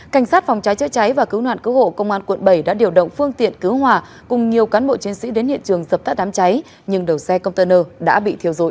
cảnh sát phòng cháy chữa cháy và cứu nạn cứu hộ công an quận bảy đã điều động phương tiện cứu hòa cùng nhiều cán bộ chiến sĩ đến hiện trường dập tắt đám cháy nhưng đầu xe container đã bị thiêu rụi